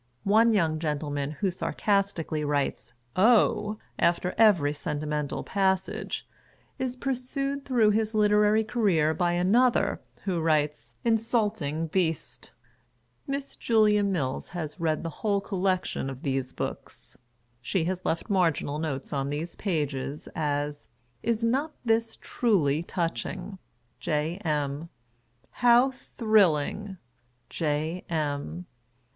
One young gentleman who sarcas tically writes " O !!!" after every sentimental passage, is pursued through his literary career by another, who writes " Insulting Beast !" Miss Julia Mills has read the whole collec tion of these books. She has left marginal notes on the pages, as " Is not this truly touching ? J. M." " How thrilling ! J. M.""